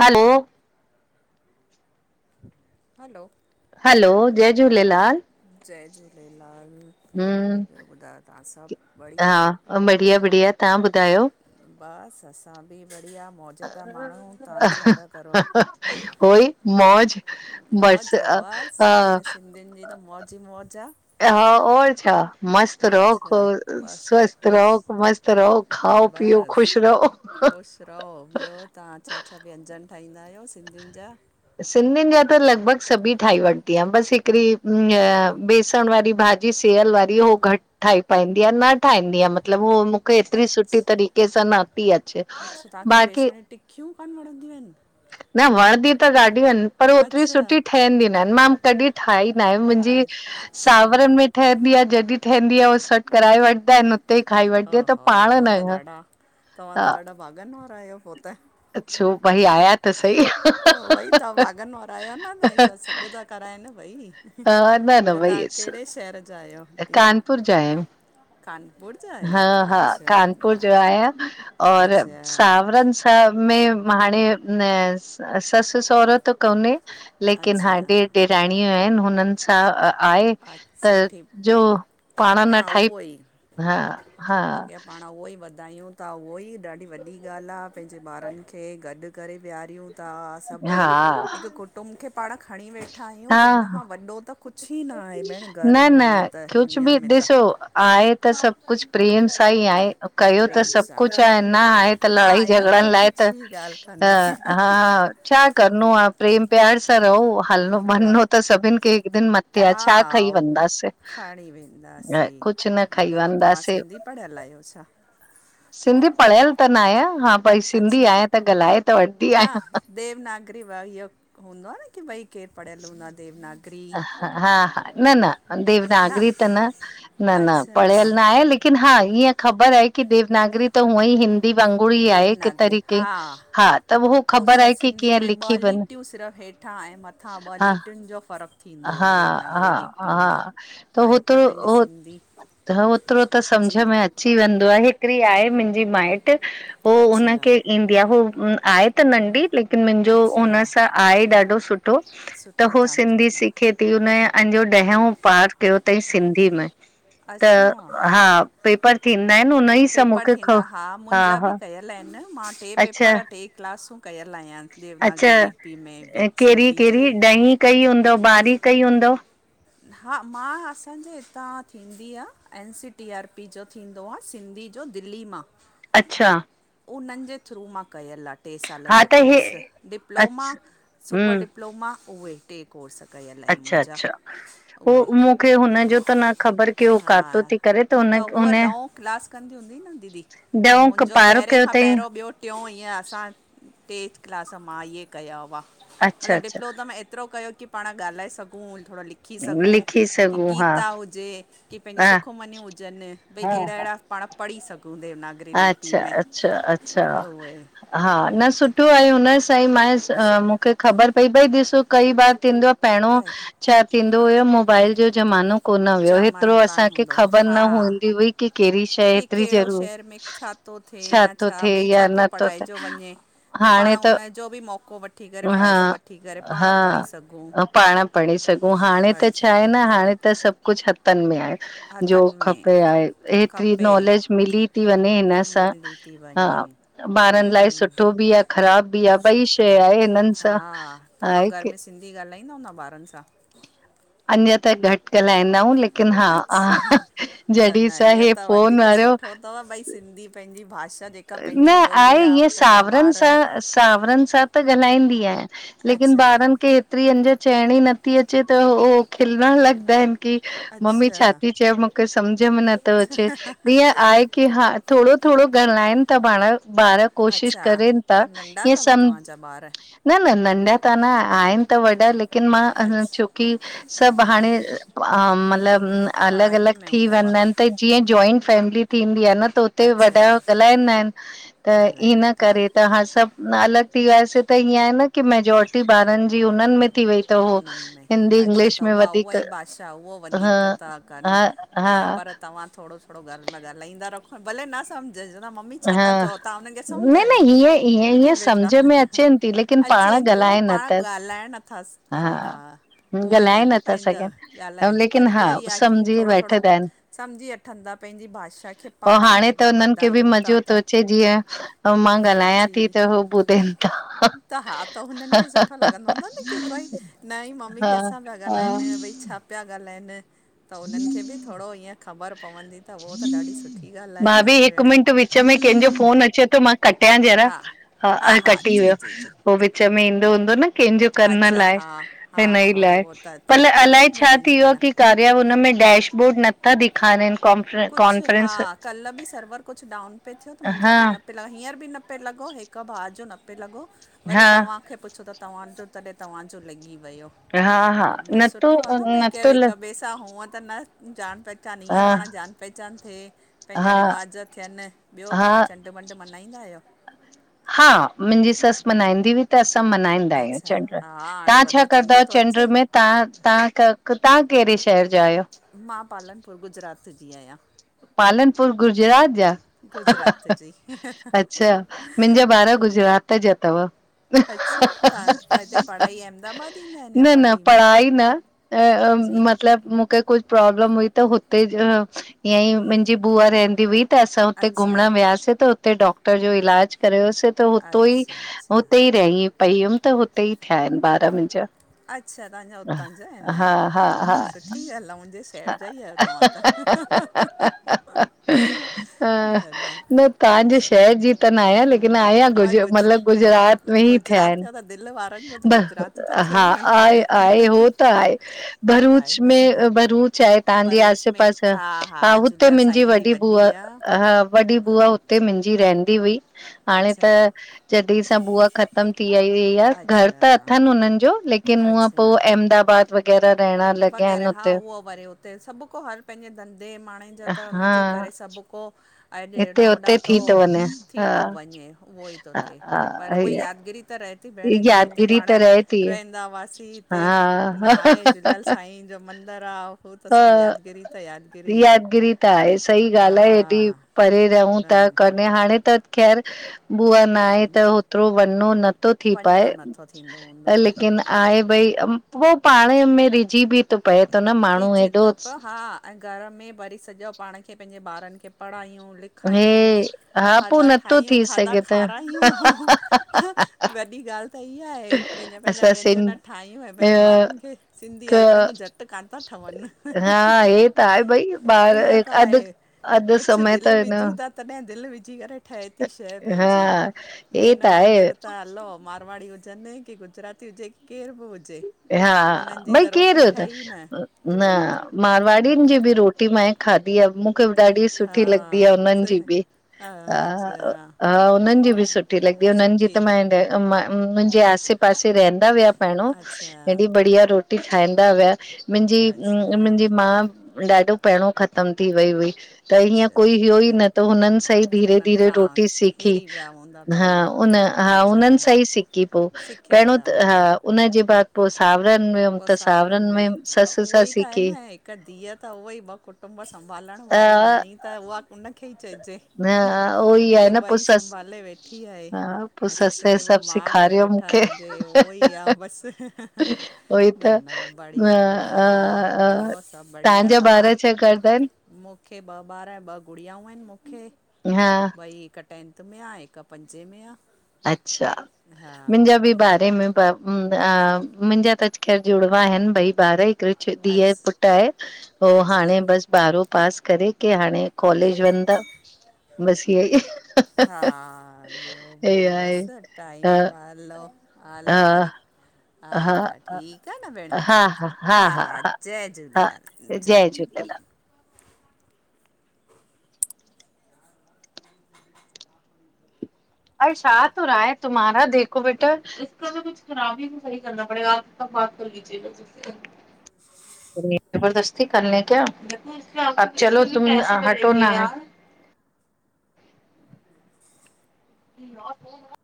Hello. Hello. Hello जय झूलेलाल। जय झूलेलाल, हम्म ॿियो ॿुधायो तव्हां सभु बढ़िया? हा बढ़िया -बढ़िया, तव्हां ॿुधायो? बसि असां बि बढ़िया मौज पिया माण्हू, तव्हां छा पिया करो? उहई मौज। बस मौज अ बस, अ, पैंजे सिंधियुन जी त मौज ई मौज आ। हा, और छा? मस्त रओ छा खुश बसि स्वस्थ रहो ख़ुशि मस्त रहो, खाओ पीओ ख़ुश रहो। रओ, ॿियो तव्हां छा छा व्यंजन ठाहींदा आयो सिंधियुन जा? सिंधियुन जा त लॻभॻ सभी ठाहे वठदी आयां, बस हिकड़ी हिय‌ बेसण वारी भाॼी जी सेेयल वारी हो घट ठाही पाईंदी आं, न ठाहींदी आ मत मतलब हो मूंखे एतरी सुठी अच्छा तरीक़े सां न पी अचे अच्छा तव्हांखे बाक़ी बेसण जी टिकियूं कान वणंदियूं आइन। न वणंदी त ॾाढियूं आइन, पर ओतरी अच्छा सुठी ठहंदी न आहिन मां तॾीं ठाही नाए, मुंजी अच्छा सावरन में ठहंदी आ जॾीं ठहंदी आ बसि सॾ कराए वठदा आइन, उते ई खाई वठदी आं त ओहो पाण न हा भाॻन वारा आयो। अछो भई आया त सही, तां भाॻन वारा आयो न, तांजी ससु सॾ ता कराइन भई, त न न ॿियो वई तव्हां अस कहिड़े शहर जा आहियो दीदी कानपुर जा आयूं। कानपुर जा हा आहियो हा अच्छा कानपुर न जो न आया, और अच्छा साव रन स में हाणे न ससु सोरो त कोने लेकिन हा अच्छा ॾेर ॾेराणियूं आहिन, हुन हुनन सां आहे। अ सुठी जो पाण न अॻियां ठाही उओ ई हा -हा अॻियां पाण उहो ई वध ॿुदायूं ता उओ ई ॾाढी वॾी ॻाल आ, पैंजे ॿारन खे गॾ करे वेहारियूं ता सब हा हिक कुटुंम खे पाण खणी वे ठायूं त इन हा खां वॾो त कुछ ई न आए भेण न घर न हिन में त कुझु दुनिया बि में त, ॾिसो आहे त सब कुछ प्रेम सां ई आए। कयो त प्रेम सभ सां कुछ आए न आहे, त न लड़ाई आहियो झगड़न लाइ त कुझु ई ॻाल्हि अ कान्हे हा। छा करनो आ प्रेम प्यार सां रहो, ह मन हो त सभिन खे हिक दिन मथे आ हा छा खईं वेंदासीं खणी वेंदासीं कु ॿियो तव्हां सिंधी पढ़ियल आयो छा? सिंधी पढ़ियल त न आयां, हा भई सिंधी अच्छा आयां त गलाए त वठंदी न आयां। देवनागरी व इयो हूंदो आ न की भई, केर पढ़ियल हूंदो आ देवनागरी? हा -हा, न न देवनागरी त न -न- न अच्छा पढ़ियल न आये लेकिन हा ईय ख़बर आ कि देवनागरी त उअं ई हिंद दी वांगुर ई आहे, हिक देवनागरी तरीक़े हा हा त उहो ख़बर छा आए की सिंधी कीअं में ॿ लिखी वन लीटियूं सिरफ़ हेठां ऐं मथां ॿ लीटियुन जो फ़र्क़ हा -हा -हा, त हो आहे त पंहिंजी हो सिंधी ह ओतरो त सम्झ जी में अच अची वेंदो आ, हिकड़ी आहे मुंजी माइट्र हो अच्छा हुनखे ईंदी आ, हो आए त नंढी, लेकिन मुंजो उन अच्छा सां आहे ॾाढो सुठो त सुठो हो तव्हां सिंधी चवंदा सिख एती उनजा अंजो ॾहों पास कयो तई सिंधी में, त अच्छा हा पेपर थींदा आइनि हुन ई [unintelligible] खां, हा हा लाइन मां टे अच्छा पेपर, टे क्लासूं कयल आयां देवनागरी अच्छा लिपि में बि, कहिड़ी सिंधी जो कहिड़ी ई ॾहीं कई हूंदो, बारी कई हूंदो हा, मां असांजे हितां थींदी आ, N C T R P जो थींदो आ सिंधी जो, दिल्ली मां अच्छा उन्हनि जे थ्रू मां कयल आ। टे सालनि हा जो त हे कोर्स डिप्लोमा, अच्छा सुपर हम्म डिप्लोमा, उहे टे कोर्स कयल आहिनि मुंहिंजा उहो उहे मूंखे हुनजो त न ख़बर की हो हा काथों थी करे त हुन हूअ हुन ॾहों क्लास कंदी हूं न दीदी ऐं ॾहों मुंहिंजो पारो पहिरियों कयो खां अथई पहिरियों ॿियों टियों हीअं असां टेथ क्लास, मां इहे कया हुआ। अच्छा मतिलब अच्छा डिप्लोम में एतिरो कयो की पाण ॻाल्हाए सघूं, थोरो लिख सिखी सघूं, लिखी की सघूं हा गीता हुजे की पंहिंजी हा सुखमनियूं हुजनि बि हा अहिड़ा अहिड़ा पाण पढ़ी सघूं देवनाग अच्छा, अच्छा, अच्छा उहे हा न सुठो आहे, हुन सईं सु मां मूंखे ख़बर पई भई ॾिसो कई बार थींदो आ पहिरियों काई छै थींदो हुयो, मोबाइल जो कि माण्हू कोन हुया, ऐतिरो ज़मानो असां कान खे हूंदो खबर न हा हूंदी हुई कि कहिड़ी शइ की हेतिरी कहिड़ो ज़रूर शहर में छा थो थिए या थो छा थिए भई या छा थो नथो थिए पढ़ाएजो वञे। त पाण उन जो बि मौक़ो वठी करे, हा फ़ाइदो वठी करे, पाण हा पढ़ी सघूं। पाण पढ़ी सघूं, हाणे त पढ़ी छा आहे सघूं न हाण त सभु कुझु हथनि में आहे, जो हथनि में खपे आहे ऐतरी खपे नॉलेज मिली थी वञे हिन सां, मिली थी हा वञे ॿारनि लाइ वञ सुठो बि आ ख़राब इहा ॿई सुठो शइ आहे हिननि सां हा तव्हां आहे घर कि में सिंधी ॻाल्हाईंदा हूंदा ॿारनि सां? अञां त घटि ॻाल्हाईंदा आहियूं लेकिन हा, अच्छा हा जॾीं सां हे फोन आहियो तव्हां भई सिंधी पंहिंजी भाषा जेका न पंहिंजी ॿोली आहे, ईअं पंहिंजा सावरनि ॿार सां सावरनि सां त ॻाल्हाईंदी आहियां। लेकिन अच्छा ॿारनि खे हेतिरी अंज चइण ई नथी अचे, त हो खिलण लॻंदा आहिनि। की मम्मी छा अच्छा थी चए, मूंखे समझ में नथो अचे ईअं आहे की हा थोरो थोरो ॻल्हाइनि था पाण ॿार कोशिश अच्छा करनि त था, नंढा ईअं अथव सम तव्हांजा ॿार न न नंढा त न आहिनि, आहिनि त वॾा लेकिन मां अच्छा छोकी सभु हाणे अ मतलबु, अलॻि अलॻि पढ़ाईअ में थी हूंदव वेंदा आहिनि। त जीअं जॉइंट फैमिली थींदी आ न, त हुते वॾा अच्छा ॻाल्हाईंदा आहिनि। त ॻाल्हाइनि इन नथा करे, त हाण सभु अलॻि थी वियासी त ईअं आ न की मेजॉरिटी ॿारनि जी उन्हनि में थी वई त हो मुननि में, हिंदी अच्छा त इंग्लिश में उहा उहा वधीक ई भाषा उहो हा वधीक था कनि हा न हा न पर तव्हां थोरो थोरो घर में ॻाल्हाईंदा रखो, भले न समझ [unintelligible] मम्मी हा छाता चओ? तव्हां हुनखे न न समझायो हीअं हीअं की हीअं बेटा सम्झ में अचनि थी लेकिन पाण अचे थी, उहो ॻाल्हाइनि न पाण त ॻाल्हाइण नथा हा उहो ई आ ॻाल्हाए न नथा पंहिंजो सघनि ऐं ॻाल्हाए पर लेकिन हा इहो ई आहे की सम्झी थोरो थोरो वठंदा आहिनि सम्झी वठंदा पंहिंजी भाषा खे पाण ई अॻियां वध खेबि मज़ो थो अचे जीअं मां ॻाल्हायां थी जी त हो ॿुधनि था त हा त हुननि खे सुठो लॻंदो हूंदो न की कोई न ई मम्मी हा कंहिंसां पिया हा ॻाल्हाइनि भई छा पिया ॻाल्हाइनि त उन्हनि खे बि थोरो ईअं ख़बर पवंदी त उहो त ॾाढी सुठी ॻाल्हि आहे मां न बि हिकु भेण मिंट विच में कंहिंजो फोन अचे थो मां कटया जरा हा हा हाण हा कटी जी वियो जी जी हो जी विच में ईंदो हूंदो न कंहिंजो कर न अच्छा लाइ हा हा हिन हा ई लाइ उहो त परल थिए थो अलाए न भेण छा थी वियो ईअं आहे ॼणु की कारया हुनमें डैशबोर्ड नथा ॾेखारनि। कुझु हा कॉन्फ्रेंस कल्ह बि सर्वर कुझु डाउन पे थियो त मुंहिंजा हा बि न पिला हींअर बि न पे लॻो हिकु भाउ जो न पे लॻो वरी हा तव्हांखे पुछो त तव्हां चयो तॾही तव्हांॼो लगी वयो हा हा त मां नथो सुठो आ न भई कयो हिक नथो ॿे सां त हूअ त न जान पहचानीय हा पाण जान चां थिए पंहिंजा हा रिवाज़ थियनि ॿियो तव्हां हा चंडु मॾु मल्हाईंदा आहियो? हा मुंहिंजी सस मनाईदीं हुई। त असां मनाइंदा आहियूं अच्छा चंगुल। हा हाणे व्हां छा वॾो चंड कंदायो थो चंडु अचे में? तव्हां तव्हां क तव्हां कहिड़े शहर जा आहियो? मां पालनपुर गुजरात जी आहियां। पालनपुर गुजरात जा, गुजरात जी अच्छा मुंहिंजा ॿार गुजरात जा तव। अच्छा तव्हां तां हिते पढ़ाई अहमदाबाद ईंदा आहिनि या पढ़ाई में? अ अ जी मतिलब मूंखे कुझ प्रॉब्लम हुई त हुते ईअं ई मुंहिंजी बुआ रहंदी हुई त असां हुते अच्छा घुमणु वियासीं त हुते डॉक्टर जो इलाज कर्योसे। त हुतो ई अच्छा अच्छा हुते ई रही पई हुयमि त हुते ई थिया आहिनि ॿार मुंहिंजा। अच्छा तव्हांजा हुतां जा आहिनि हा हा हो त सुठी ॻाल्ह आहे मुंहिंजे शहर जा ई आहियो तव्हां त। न न। तव्हांजे शहर जी त न आयां लेकि किन आयां मां गुजु गुज मतलबु गुजरात गु- में ई थिया गुजरात आहिनि जो त दिलि वारनि जो त ब गुजरात त थियो हा न भेण आए आए उहो हो त आहे त आहे भरूच न में भरूच चहे तव्हांजी भरूच आसे में पास आ हा हुते झूलेलाल मुंहिंजी साईं जी वॾी बुआ आहे हा वॾी बुआ हुते मुंहिंजी रहंदी हुई हाणे अच्छा त जॾहिं सां बुआ ख़तम थी आई हुई आहे घर त अच्छा अथनि उननि जो लेकिन उअ अच्छा पोइ अहमदाबाद वग़ैर रहण लॻॻिय आहिनि उते। वरे हुते सभु को हर पंहिंजे धंधे माण्हुनि जा त उनजे हा करे सभु को अॼु हिते हेॾां होॾां हुते थो थी वञे हा थी थो वञे उहो ई थो हा थिए हा पर उहोई इहा यादिगिरी त रहे थी भेण की जिते यादगिरी पाण त रहे थी रहंदा हुआसीं हिते न हा आहे त झूलेलाल साईं ॼो मंदरु आहे उह त सभु यादिगिरी त यादिगिरी आहे। यादगिरी त आहे सही हा ॻाल्हि आहे हेॾी परे रहूं न था कॾे हाणे त खैर बुआ न आहे त जी होतिरो वञो न थी वञिणो पाए नथो थींदो हूंदव लेकिन आहे भई उ हो पाणे में रिझ बि त पए थो न माण्हू ॾिजी थो हेॾोस पियो हा ऐं घर में वरी सॼो पाण खे पंहिंजे ॿारनि खे पढ़ायूं लिख हे खायूं हा पोइ खाधा नथो ठाहियूं थी खाधा सघे त खारायूं। वॾी ॻाल्हि त इहा आहे पंहिंजा पंहिंजा असां सिं व्यंजन ठाहियूं ऐं अ पंहिंजे ॿारनि खे सिंधी क आइटमूं झट त कान था ठवनि, हा हे त आहे भई ॿार ईअं त अधु आहे अधु कुछु समय त दिलि न विझूं था, तॾहिं दिलि विझी करे ठहे थी शइ हा पंहिंजी, हे त ॿियनि आहे वांगुरु त हलो मारवाड़ी हुजनि, कि गुजराती हुजे की केर बि हुजे उन्हनि हा, जी भई त रोटी केरु ठही न, मारवाड़िनि जी बि रोटी मां ई खाधी आहे मूंखे बि ॾाढी हा सुठी लॻदी आहे हुननि जी सु- बि ह अच्छा हा हुननि जी बि सुठी लॻदी आह, हुननि जी सुठी त मां [unintelligible] म मुंहिंजे आसे- पासे रहंदा विया पहिरियों, अच्छा हेॾी बढ़िया रोटी ठहींदा हुया मुंहिंजी, अच्छा मुंहिंजी माउ ॾाढो पहिरियों ख़तमु थी वई हुई त हीअं अच्छा कोई हुयो ई अच्छा। न, त हुननि सां ई त धीरे- उन्हनि धीरे खां रोटी सिखी। हिरी विया हूंदा हा तव्हां उन, हा अच्छा उननि सां ई सिखी पोइ, सिखिया पहिरियों विया त हा हूंदा उनजे बाद सावरनि में हुयमि पोइ त सावरनि में, त ससु उहो सां ई त आहे सिखी न हिकु धीअ त हुई ॿ पु कुटुंब संभालण हा वारी न्याणी, त उहा उनखे ई चएजे हा उहो ई आहे कि न पोइ ॿई ससु संभाले वेठी आहे, हा पोइ ऐं सस के बि सभु माँ करे सेखारियो वेठा मूंखे आहिनि हे उहो ई आ, बसि उहोई न, त न अ बढ़िया- अ बढ़िया, ॿियो अ सभु बढ़िया तव्हांजा ॿार तव्हां छा करदा आहिनि मूंखे ॿ ॿार, ॿ गुड़ियाऊं आहिनि मूंखे हा भई हिक टेंथ में आहे, हिकु पंजे में आहे। अच्छा, हा मुंहिंजा बि ॿारहें में ब [unintelligible] मुंहिंजा त अज ख़ैर जुड़वां आहिनि ॿई ॿार, हिकिड़ी धीउ अछ पुटु आहे हो पो हाणे अच्छा बसि ॿारहों पास करे कथी हाणे कॉलेज वन्दा, बस इ ईहो हा ई ॿियो भेण इहा आहे बसि, टाइमु प अ लो हलो वरी हा हला ठीकु आहे न भेण, हा हा जय हा झूलेलाल जय झूलेलाल। अ छाह तू राय तुमारा देखो बेटा [unintelligible] इक बि कुझु ख़राबी बि सही कर ना पड़ेगा सब बात कर लीजिए [unintelligible] ज़बरदस्ती करने क्या? अब चलो तुम ई हटो न [unintelligible] ई [unintelligible]